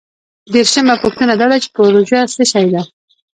دیرشمه پوښتنه دا ده چې پروژه څه شی ده؟